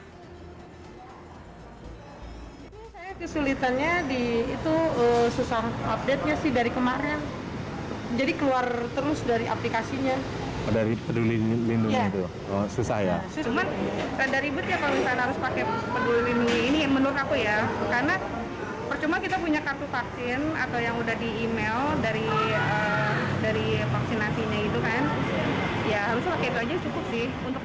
karena percuma kita punya kartu vaksin atau yang sudah di email dari vaksinasi itu kan ya harusnya pakai itu saja cukup sih